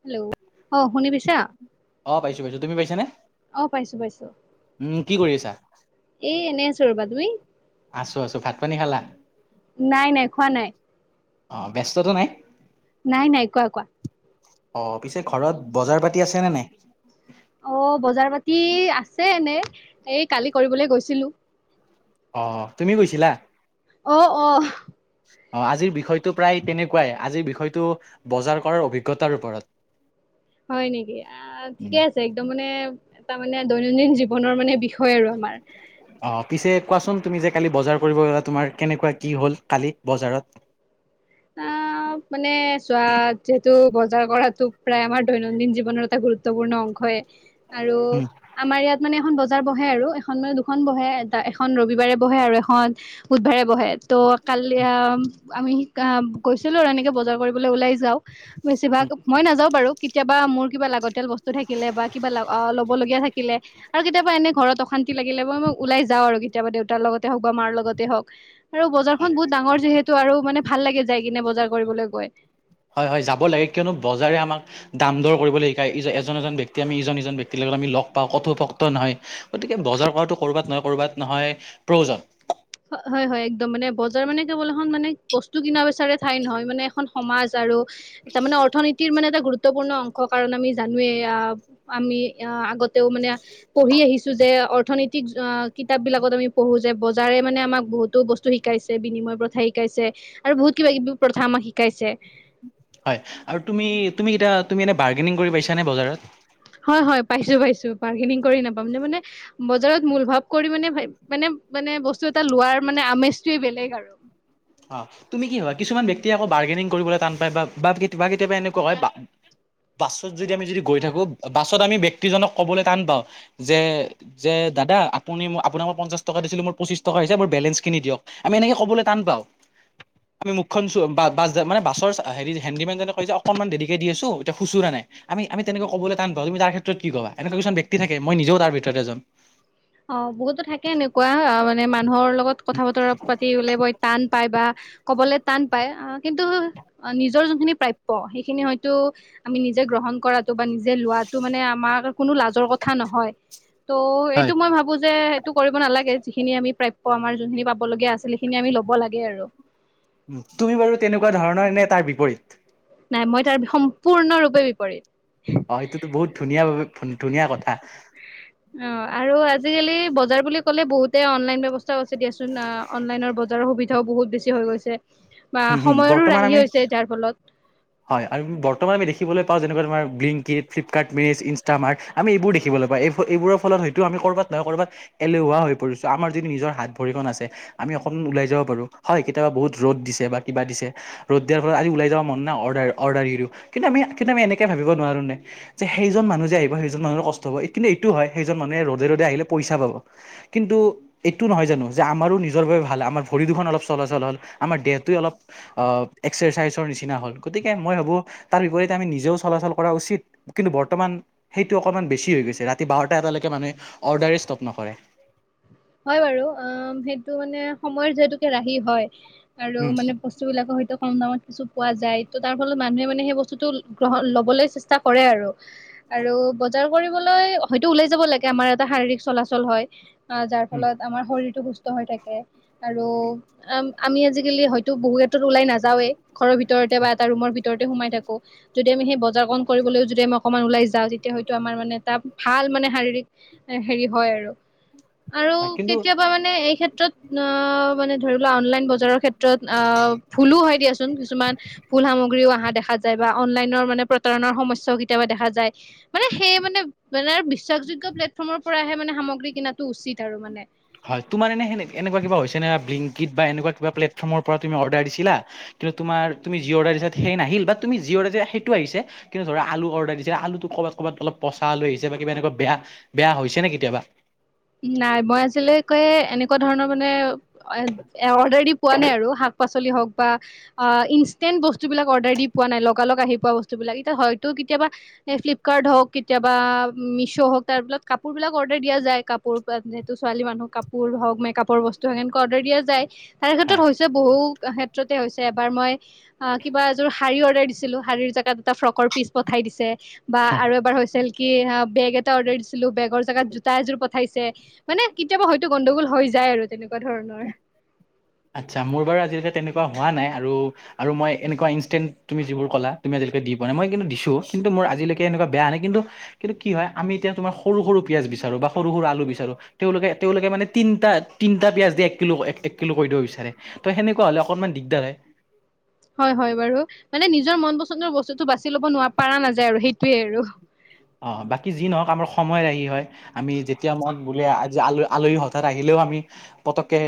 Hello, অ', শুনি পাইছা? অ', পাইছো পাইছো তুমি পাইছা নে? পাইছো উম কি কৰি আছা? এ এনে আছো ৰ'বা, তুমি? আছো আছো, ভাত পানী খালা? নাই নাই খোৱা নাই। অ', ব্যস্ততা নাই। নাই নাই, কোৱা কোৱা। অ', পিছে ঘৰত বজাৰ পাতি আছে নে নাই? অ বজাৰ পাতি আছে এনে এই কালি কৰিবলে গৈছিলো অ তুমি গৈছিলা অ অ অ আজিৰ বিষয়টো প্ৰায় কেনেকুৱাই আজিৰ বিষয়টো বজাৰ কৰাৰ অভিজ্ঞতাৰ ওপৰত হয় নেকি, অ' উম। ঠিকে আছে, একদম মানে এটা মানে দৈনন্দিন জীৱনৰ মানে বিষয় আৰু আমাৰ। অ পিছে কোৱাচোন তুমি যে কালি বজাৰ কৰিব গ'লা, তোমাৰ কেনেকুৱা কি হ'ল কালি বজাৰত? অ' মানে চোৱা তো বজাৰ কৰাটো প্ৰায় আমাৰ দৈনন্দিন জীৱনৰ এটা গুৰুত্বপূৰ্ণ অংশই। আৰু উম আমাৰ ইয়াত মানে এখন ব বজাৰ বহে আৰু, এখন মানে দুখন বহে, এ এখন ৰবিবাৰে বহে আৰু এখন বুধবাৰে বহে। ত' কালি আ আমি কেইটা গৈছিলোঁ আৰু এনেকে বজাৰ কৰিবলৈ ওলাই যাও, বেছিভাগ উম, মই নাযাওঁ বাৰু। কেতিয়াবা মোৰ কিবা লাগতিয়াল বস্তু থাকিলে বা কিবা আ ল'ব লগীয়া থাকিলে আৰু কেতিয়াবা এনে ঘৰত অশান্তি লাগিলে, মই-মই ওলাই যাওঁ আৰু কেতিয়াবা দেউতাৰ লগতে হওঁক বা মাৰ লগতে হওঁক। আৰু বজাৰখন বহুত ডাঙৰ যিহেতু আৰু মানে ভাল লাগে যাই কিনে বজাৰ কৰিবলৈ গৈ। হয়-হয় যাব লাগে, কিয়নো বজাৰে আমাক দাম দৰ কৰিবলৈ শিকায়, ই এজন-এজন ব্যক্তি আমি ইজন-ইজন ব্যক্তিলৈ তাত আমি লগ পাওঁ, কথোপকথন নহয়। গতিকে বজাৰ কৰাটো ক'ৰবাত নহয় ক'ৰবাত নহয় প্ৰয়োজন। হয়-হয় একদম মানে বজাৰ মানে কেৱল এখন মানে বস্তু কিনা বিচাৰে ঠাই নহয় মানে এখন সমাজ আৰু তাৰমানে অৰ্থনীতিৰ মানে এটা গুৰুত্বপূৰ্ণ অংশ, কাৰণ আমি জানোৱে এইয়া আমি আগতেও মানে পঢ়ি আহিছোঁ যে এ অৰ্থনৈতিক অ' কিতাপ বিলাকত আমি পঢ়োঁ যে বজাৰে মানে আমাক বহুতো বস্তু শিকাইছে, বিনিময় প্ৰথা শিকাইছে আৰু বহুত কিবা-কিবি প্ৰথা আমাক শিকাইছে। হয়। আৰু তুমি-তুমি এতিয়া তুমি এনে বাৰ্গেনিং কৰি পাইছা নে বজাৰত? হয়-হয়, পাইছোঁ-পাইছোঁ। বাৰ্গেনিং কৰি নাপাম নে মানে বজাৰত মূল ভাৱ কৰি মানে-মানে মানে বস্তু এটা লোৱাৰ মানে আমেজটোৱে বেলেগ আৰু। অ' তুমি কি হয়, কিছুমান ব্যক্তিয়ে আকৌ বাৰ্গেনিং কৰিবলৈ টান পায় বা-বা তোমাৰ কেতিয়াবা এনেকুৱা হয় বাছত যদি আমি যদি গৈ থাকো বাছত আমি ব্যক্তিজনক ক'বলৈ টান পাওঁ যে যে দাদা আপুনি ম আপোনাক মই পঞ্চা টকা দিছিলো মোৰ পঁচি টকা হৈছে মোৰ বেলেঞ্চখিনি দিয়ক, আমি এনেকে কবলৈ টান পাও। আমি মুখখন বা-বা-বাছ মানে বাছৰ হেৰি হেণ্ডিমেন যনে কৈ যে অকনমান দেৰিকে দি আছো এতিয়া খুচুৰা নাই। আমি আমি তেনেকৈ ক'বলৈ টান পাও, তুমি তাৰ ক্ষেত্ৰত কি কবা, এনেকুৱা কিছুমান ব্যক্তি থাকে মই নিজেও তাৰ ভিতৰ এজন। অ বহুতো থাকে এনেকুৱা মানে মা মানুহৰ লগত কথা বতৰা পাতিবলে বই টান পাই বা ক'বলৈ টান পাই, আহ কিন্তু নিজৰ যোনখিনি প্ৰাপ্য সেইখিনি হয়তো আমি নিজে গ্ৰহণ কৰাটো বা নিজে লোৱাটো মানে আমাৰ কোনো লাজৰ কথা নহয়। ত এ হয়। ভাবো যে সেইটো কৰিব নালাগে যিখিনি আমি প্ৰাপ্য আমাৰ যোনখিনি পাবলগীয়া আছিল সেইখিনি আমি লব লাগে আৰু। তুমি বাৰু তেনেকুৱা ধৰণৰ নে তাৰ বিপৰীত? নাই মই তাৰ সম্পূৰ্ণৰূপে বিপৰীত। অ সেটোতো বহুত ধুনীয়া ধুনীয়া কথা। অ আৰু আজিকালি বজাৰ বুলি ক'লে বহুতে অনলাইন বৱস্থাও আছে দিয়াচোন অনলাইনৰ বজাৰ আৰু সুবিধাও বহুত বেছি হৈ গৈছে। বা হম, হম। সময়ৰো বৰ্তমান ৰাহি আমি! হৈছে যাৰ ফলত হয় আৰু বৰ্তমান আমি দেখিবলৈ পওঁ, যেনেকৈ আমাৰ ব্লিংকেড, ফিপকাৰ্ট মেজ, ইনষ্টামাৰট, আমি এইবোৰ দেখিবলৈ পওঁ, এইবোৰ ফলত হয়ত আমি ক'ৰবাত ক'বাত এলেহুৱা হৈ পৰিছোঁ, আমাৰ যদি নিজৰ হাত ভৰিখন আছে, আমি অকনমান ওলাই যাব পাৰোঁ, হয় কেতিয়াবা বহুত ৰ'দ দিছে। বা কিবা দিছে, ৰ'দ দিয়াৰ পৰা আজি উলাই যাব মন নাই, অ, অৰ্ডাৰ [unintelligible] কিন্তু আমি, আমি এনেকে ভাবিব নোৱাৰো। যে সেইজন মানুহ যে আহিব, সেইজন মানুহৰ কষ্ট হ'ব, কিন্তু এইটো হয়, সেইজন মানুহে ৰ'দে ৰ'দে আহিলে পইচা পাব। কিন্তু এইটো নহয় জানো, যে আমাৰো নিজৰ বাবে ভাল, আমাৰ ভৰি দুখন অলপ চলাচল হ'ল, আমাৰ দেহ অলপ অ', এক্সাৰচাইজৰ নিচিনা হ'ল, গতিকে মই ভাবো তাৰ বিপৰীতে আমি নিজেও চলাচল কৰা উচিত। চি, কিন্তু বৰ্তমান সেইটো অকণমান বেছি হৈ গৈছে, ৰাতি বাৰটা, এটালৈকে মানুহে অৰ্ডাৰে ষ্টপ নকৰে। হয় বাৰু, অ', সেইটো মানে সময়ৰ যিহেতুকে ৰাহি হয়। আৰু উম, মানে বস্তু বিলাকৰ হয়তো কম দামত কিছু পোৱা যায়। তাৰ ফলত মানুহে মানে সেই বস্তুতটো গ্ৰহণ ল'বলৈ চেষ্টা কৰে আৰু, আৰু বজাৰ কৰিবলৈ হয়টো ওলায় যাব লাগে, আমাৰ এটা শাৰীৰিক চলাল হয়, যাৰ উম, ফলত আমাৰ শৰ হৈ থাকে, আৰু আমি আজিকালি হয়তো, বহু ক্ষেত্ৰত ওলাই নাযাওঁৱেই। ঘৰৰ ভিতৰতে বা এটা ৰুমৰ ভিতৰতে সোমাই থাকো, যদি আমি সেই বজাৰ কন কৰিবলৈও যদি আমি অকমান ওলাই যাওঁ, তেতিয়া হয়টো আমাৰ মানে এটা ভাল [unintelligible] হয় কিন্তু মানে ধৰি লোৱা, অনলাইন বজাৰৰ ক্ষেত্ৰত আহ, ভুলো হয় দিয়াচোন কিছুমান। ভুল সামগ্ৰীও অহা দেখা যায়, বা অনলাইনৰ মানে, প্ৰতাৰণাৰ সমস্যাও কেতিয়াবা দেখা যায়। মানে সেই মানে, মানে বিশ্বাসযোগ্য প্লেটফৰ্মৰ পৰাহে মানে, সামগ্ৰী কিনটো উচিত আৰু মানে। হয়, তোমাৰ এনে, সেনে, এনেকুৱা কিবা হৈছে নে বা এটা কিবা প্লেটফৰ পৰা অৰডাৰ দিছা, [unintelligible] অৰডাৰ তুুমি সেইটো আহিছে, কিন্তু ধৰা আলু অৰ্ডাৰ দিছিলা আলুটো ক'বাত ক'বাত অলপ পচা, আলু আহি বা কিবা এনেকুৱা বেয়া বেয়া হৈছে নে কেতিয়াবা? নাই, মই আজিলৈকে এনেকুৱা ধৰণৰ মানে, অৰ্ডাৰ দি পোৱা নাই আৰু, শা শাক পাচলি হওঁক বা, ইনষ্টেন্ট বস্তু বিলাক অৰ্ডাৰ দি পোৱা নাই, লগালগ আহি পোৱা বস্তু বিলাক এতিয়া হয়তো [unintelligible] কাপোৰ যিহেতু, ছোৱালী মানুহক কাপোৰ হওঁক, মেকাপৰ বস্তুক সেনেকুৱা অৰ্ডাৰ দিয়া যায়। তাৰ ক্ষেত্ৰত হয় হৈছে বহু ক্ষেত্ৰতে হৈছে এবাৰ মই অ, কিবা এযোৰ শাৰী দিছিলো শাৰ জোত এটা ফ্ৰ পিচ পঠাই দি বা আৰু এ হৈ কি? বেগ এটা অৰ্ডাৰ দিছিলো বেগৰ যেগাত জোতা এযোৰ পঠাইছে, মানে কেতিয়াবা হয়তো গণ্ডগোল হৈ যায় আৰু তেনেকুৱা ধৰণৰ। আচ্ছা, মোৰ বাৰু আজিলৈকে তেনেকুৱা হোৱা নাই আৰু মই এনেকুৱা ইনষ্টেণ্ট তুমি যিবোৰ কলা তুি প নাই মই কিন্তু দিছো কিন্তু মোৰ আজিলৈকে এনেুৱা বেয়া নাই কিন্তু কিন্তু কি হয় আমি এতিয়া তোমাৰ সৰু পিয়াজ, বিচাৰো বা সৰু-সৰু আলু, তেঁওলোকে-তেওঁলোকে মানে তিনটা-তিনটা পিয়াজ দি এককিলো-এককিলো কৰে কৈ দিব বিচাৰে ত সেনেকুৱা হলে অকনমান দিগদাৰ হয়। হয়-হয় বাৰু মানে নিজৰ মন পছন্দৰ বস্তুটো বাছি ল'ব ন পৰাা নাযায় আৰু সেইটোয়ে আৰু। অ, বাকী যি নহওক আমাৰ সময় ৰাহি হয়, আমি যেতিয়া মই বোলে আজি আল আলহী হঠাৎ আহিলে। তে আমি পতকে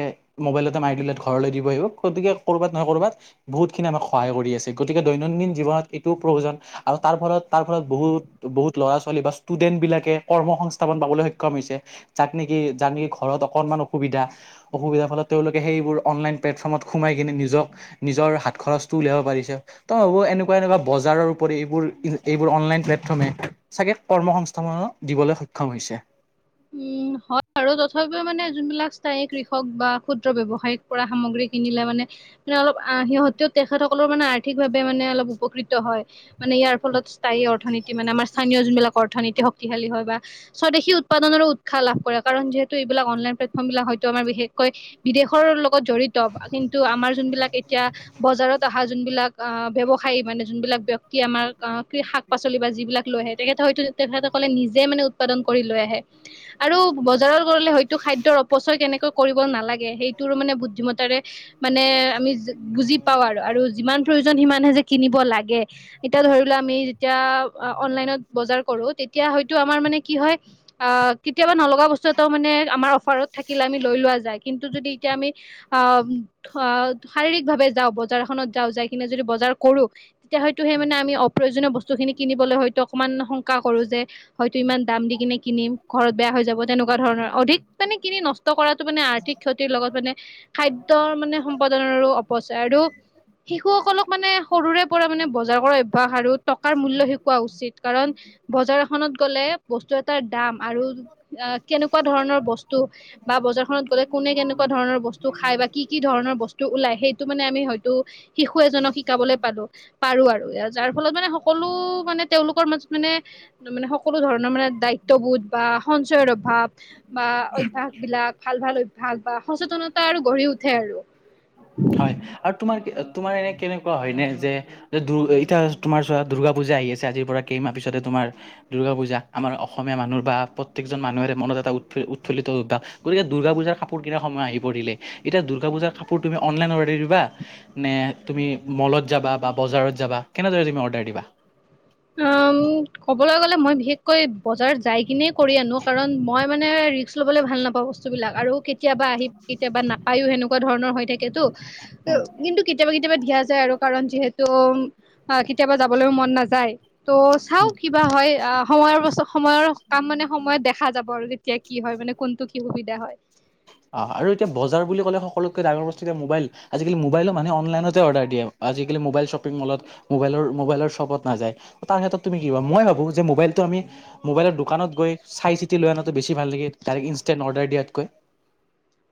মোবাইলতে মাৰি দিব ঘৰলে দিব আহিব, গতিকে কৰবাত নহয়, কৰবাত বহুত খিনি, আমাক সহায় কৰি আছে গতিকে দৈনন্দিন জীৱনত এইটোও প্ৰয়োজন আৰু তাৰ ফলত, তাৰ ফলত বহুত। বহুত ল'ৰা ছোৱালী বা ষ্টুডেন্ট বিলাকে কৰ্ম সংস্থাপন পাবলৈ সক্ষম হৈছে যাক নেকি যাৰ নেকি ঘৰত, অকনমান অসুবিধা-অসুবিধাৰ ফলত তেওঁলোকে সেইবোৰ অনলাইন প্লেটফৰ্মত সোমাই কিনে নিজক নিজৰ, হাত খৰচটো উলিয়াব পাৰিছে তই ভাবো এনেকুৱা এনেকুৱা বজাৰৰ উপপৰি এইবোৰ এইবোৰ অনলাইন প্লেটফৰ্ম হে। চাগে কৰ্মসংস্থাপন দিবলে সক্ষম হৈছে। উম, হয় আৰু তথাপিও মানে যোনবিলাক স্থায়ী কৃষক বা ক্ষুদ্ৰ ব্যৱসায়িক কৰা সামগ্ৰী, কিনিলে মানে মে অলপ সিহঁতেও তেখেতসকলৰ মানে আৰ্থিকভাৱে মানে অলপ উপকৃত হয়। মানে ইয়াৰ ফলত স্থায়ী অৰ্থনীতি মানে আমাৰ স্থানীয় যোনবিলাক অৰ্থনীতি শক্তিশালী হয় বা স্বদেশী উৎপাদনৰো উৎসাহ লাভ কৰে কাৰণ যিহেতু এইবিলাক অনলাইন প্লেটফৰ্ম বিলাক হয়তো আমাৰ বিশেষকৈ বিদেশৰ লোক লগত জৰিত কিন্তু আমাৰ যোনবিলাক এতিয়া বজাৰত অহ যোনবিলাক অ ব্যৱসায় খাই মানে যোনবিলাক ব্যক্তি আমাৰ শাক পাচলি বা যিবিলাক লৈ আহে তেখেতে হয়তো। তেখেতসকলে নিজে মানে উৎপাদন কৰি লৈ আহে। আৰু বজাৰৰ গলে হয়তো খাদ্যৰ অপচয় কেনেকৈ কৰিব নালাগে সেইটোৰো মানে বুদ্ধিমতাৰে, মানে আমি বুজি পাও আৰু আৰু যিমান প্ৰয়োজন সিমানহে যে কিনিব লাগে। এতিয়া ধৰিলোৱা আমি যেতিয়া অনলাইনত বজাৰ কৰোঁ তেতিয়া হয়তো আমাৰ মানে কি হয় অ কেতিয়াবা নলগা বস্তু এটা মানে আমাৰ অফাৰত থাকিলে আমি লৈ লোৱা যায় কিন্তু যদি এতিয়া আমি অ [unintelligible] শাৰীৰিকভাৱে যাওঁ বজাৰখনত যাওঁ যাই কিনে যদি বজাৰ কৰো তেতিয়া হয়তো সে মানে আমি অপ্ৰয়োজনীয় বস্তু খিনি কিনিবলৈ হয়টো অকমান শংকা কৰোঁ যে হয়টো ইমান দাম দি কিনে কিনিম ঘৰত বেয়া হৈ যাব তেনেকুৱা ধৰণৰ অধিক মানে কিনি নষ্ট কৰাটো মানে আৰ্থিক ক্ষতিৰ লগত মানে খাদ্যৰ মানে সম্পাদনৰো অপচয় আৰু শিশুসকলক মানে সৰুৰে পৰা মানে বজাৰ কৰা অভ্যাস আৰু টকাৰ মূল্য শিকোৱা উচিত কাৰণ বজাৰ এখনত গ'লে বস্তু এট তাৰ দাম আৰু কেনেকুৱা ধৰণৰ বস্তু বা বজাৰখনত গ'লে কোনে কেনেকুৱা ধৰণৰ বস্তু খাই বা কি - কি ধৰণৰ বস্তু ওলাই সেইটো মানে আমি হয়টো শিশু এজনক শিকাবলৈ পাৰোঁ পাৰোঁ আৰু এয়া যাৰ ফলত মানে সকলো মানে তেঁওলোকৰ মাজত মানে ত'বোধ বা সঞ্চয়ৰ অভাৱ বা অভ্যাস বিলাক ভাল-ভাল অভ্যাস বা সচেতনত হয় আৰু তোমাৰ কি তোমাৰ এনে কেনেকুৱা হয় এনে যে দুৰ এতিয়া তোমাৰ চোৱা দুৰ্গা পূজা আহি আছে আজিৰ পৰা কেইমাহ পিছতে তোমাৰ আমাৰ দুৰ্গা পূজা আমাৰ অসমীয়া মানুহৰ বা প্ৰত্যেকজন মানুহৰে মনত এটা উৎফি - উৎফুল্লিত অভ্যাস গতি এতিয়া দুৰ্গা পূজাৰ কাপোৰ কিনাৰ সময় আহি পৰিলে। এতিয়া দূৰ্গা পুজাৰ কাপোৰ তুমি অনলাইন অৰ্ডাৰ দিবা নে তুমি মলত যাবা বা বজাৰত যাবা কেনেদৰে তুমি অৰ্ডাৰ দিবা? উম, ক'বলৈ গ'লে মই বিশেষকৈ বজাৰত যাই কিনে কৰি আনো কাৰণ মই মানে এ ৰিক্স ল'বলৈ ভাল নাপাওঁ বস্তুবিলাক আৰু কেত কেতিয়াবা আহি কেতিয়াবা নাপায়ও সেনেকুৱা ধৰণৰ হৈ থাকেতো কিন্তু কেতিয়াবা- কেতি কেতিয়াবা দিয়া যায় আৰু কাৰণ যিহেতু অ, কেতিয়াবা যাবলৈ মন নাযায়। ত' উম চাও কিবা হয় আহ, সময়ৰ পাছত সময়ৰ কাম মানে সময়ত দেখা যাব আৰু তেতিয়া কি হয় মানে কোনটো কি সুবিধা হয়। আটাইতকৈ ডাঙৰ বস্তু এতিয়া মোবাইল আজিকালি মোবাইলো মানে অনলাইনতে অৰ্ডাৰ দিয়ে আজিকালি মোবাইল শ্বপিং মলত মোবাইলৰ মোবাইলৰ শ্বপত নাযায় তাৰ ক্ষেত্ৰত তুমি কি কিবা মই ভাবো যে মোবাইল টো আমি মোবাইলৰ দোকানত গৈ চাই বেছি ভাল নেকি, তাৰ ইনষ্টন অৰ্ডাৰ দিয়াত কৈ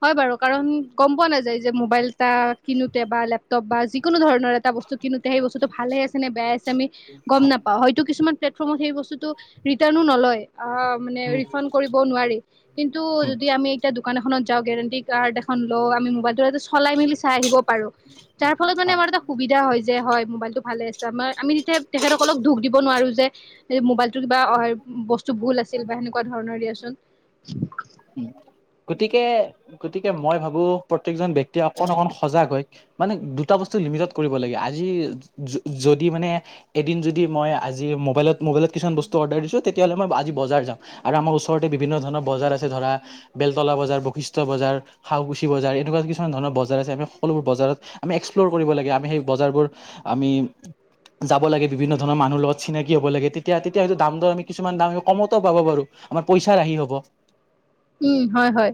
হয় বাৰু কাৰণ গম পোৱা নাযায় যে মোবাইল এটা কিনোতে বা লেপটপ যিকোনো ধৰণৰ এটা বস্তু কিনোতে সেই বস্তুটো ভালে আছে নে বেয়াই আছে আমি গম নাপাওঁ হয়তো কিছুমান প্লেটফৰ্মত সেই বস্তুতটো ৰিটাৰ্নো নলয়। অ মানে উম ৰিফাণ্ড কৰিব নোৱাৰি কিন্তু যদি হয় আমি এতিয়া দোকান এখনত যাওঁ গেৰেণ্টি কাৰ্ড এখন লও আমি মোবাইলটো চলাই মেলি চাই আহিব পাৰো। যাৰ ফলত মানে আমাৰ এটা সুবিধা হয় যে হয় মোবাইলটো ভালে আছে। আমি তেতিয়া তেখেতসকলক দুখ দিব নোৱাৰো যে মোবাইল কিবা অ বস্তু ভুল আছিল বা সেনেকুৱা ধৰণৰ দিয়াচোন। উম। গতিকে গতিকে মই ভাবো প্ৰত্যেকজন ব্যক্তিয়ে অকন অকন সজাগ হয় মানে দুটা বস্তু লিমিট কৰিব লাগে আজি যদি মানে এদিন যদি মই আজি মোবাইলত মোবাইলত কিছুমান বস্ত অৰ্ডাৰ দিছো তেতিয়াহ'লেই আজি বজাৰ যাম আৰু আমাৰ ওচৰতে বিভিন্ন ধৰণ বজাৰ আছে ধৰা বেলতলা বজাৰ বৈশিষ্ঠ বজাৰ শালকুছি বজাৰ এনেকুৱা কিছুমান ধৰণৰ বজাৰ আছে আমি সকলোবোৰ বজাৰ আমি এক্সপ্ল'ৰ কৰিব লাগে আমি সেই বজাৰবোৰ আমি যাব লাগে বিভিন্ন ধৰণৰ মানুহৰ লগত চিনাকি হ'ব লাগে তেতিয়া তেতিয়া হলে দাম দৰ আমি কিছুমান দাম আমি কমতো পাব পাৰো আমাৰ পইচা ৰাহি হ'ব উম হয় হয়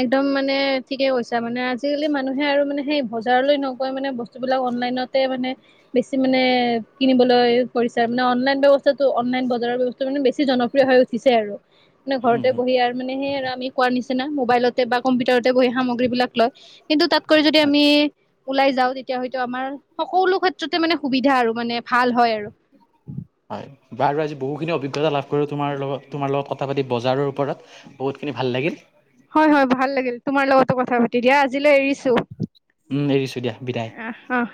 একদম মানে ঠিকে কৈছা মানে আজিকালি মানুহে আৰু মানে সেই বজাৰলৈ নগৈ মান বস্তু এইবিলাক অনলাইনতে মানে বেছি এ কিনিবলৈ কৰিছে মানে অনলাইনটো হৈছে টো অনলাইন বজাৰৰ বস্ত মানে বেছি জনপ্ৰিয় হৈ উঠিছে আৰু মানে উম, ঘৰতে উম, বহি আৰু মানে সেই আৰু আমি নিচিনা মবাইলতে বা কম্পিউাৰতে বহি সামগ্ৰী বিলাক লয় কিন্তু তাত - কৈ যদি হয়। আমি ওলাই যাওঁ তেতিয়া হয়তো আমাৰ সকলো ক্ষেত্ৰতে মানে সুবিধা আৰু মানে ভাল হয় আৰু। হয় বাৰু আজি বহুখিনি অভি অভিজ্ঞতা লাভ তোমাৰ লগত তোমাৰ লগত কথা পাতি বজাৰৰ ওপৰত বহুখিনি ভাল লাগিল। হয় হয় ভাল লাগিল তোমাৰ লগতো কথা পাতি দিয়া আজিলে এৰিছো উম এৰিছো দিয়া বিদায়। আহ আহ।